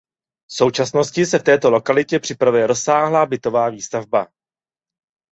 V současnosti se v této lokalitě připravuje rozsáhlá bytová výstavba.